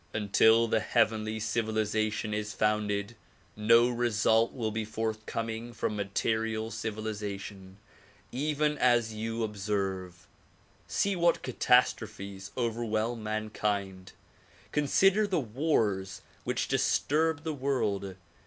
Until the heavenly civilization is founded, no result will be forth coming from material civilization, even as you obsei've. See what catastrophes overwhelm mankind. Consider the wars which disturb the world.